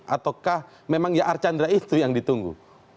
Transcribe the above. ataukah memang ya archandra itu yang ditunggu